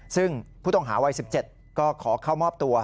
ซึ่งผู้ต้องหาวัย๑๗ก็ขอเข้ามอบตัว